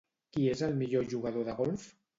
Qui és el millor jugador de golf?